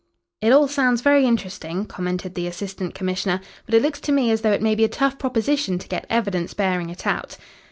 "It all sounds very interesting," commented the Assistant Commissioner, "but it looks to me as though it may be a tough proposition to get evidence bearing it out."